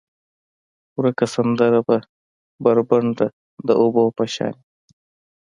ورکه سندره به، بربنډه د اوبو په شانې،